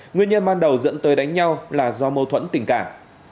nguyên nhân ban đầu dẫn tới đánh nhau là do mâu thuẫn tình cảm